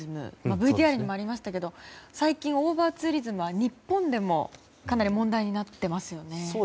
ＶＴＲにもありましたが最近、オーバーツーリズムは日本でもかなり問題になっていますよね。